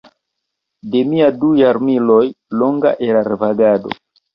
De mia du jarmilojn longa erarvagado.